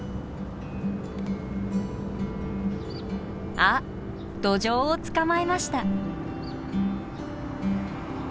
あっドジョウを捕まえました。